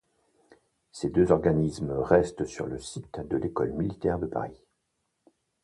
Ces deux organismes restent sur le site de l'École Militaire de Paris.